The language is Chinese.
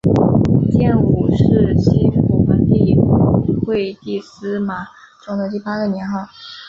建武是西晋皇帝晋惠帝司马衷的第八个年号。